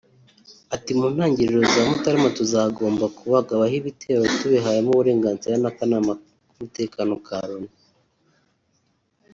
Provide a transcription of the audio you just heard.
Ati” Mu ntangiriro za Mutarama tuzagomba kubagabaho ibitero tubihawemo uburenganzira n’Akanama k’Umutekano ka Loni